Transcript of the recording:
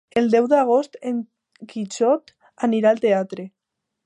El deu d'agost en Quixot anirà al teatre.